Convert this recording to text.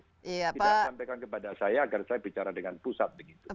tidak sampaikan kepada saya agar saya bicara dengan pusat begitu